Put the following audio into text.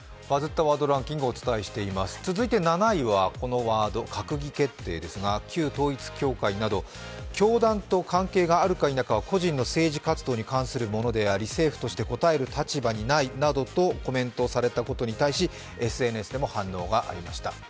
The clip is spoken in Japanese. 続いて７位はこのワード、閣議決定ですが旧統一教会など教団と関係があるか否かは個人の政治活動に関するものであり政府として答える立場にないなどとコメントされたことに対しＳＮＳでも反応がありました。